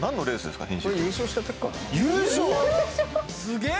すげえ！